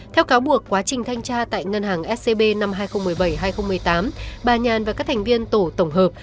theo cáo buộc quá trình thanh tra tại ngân hàng scb năm hai nghìn một mươi bảy hai nghìn một mươi tám bà nhàn và các thành viên tổ tổng hợp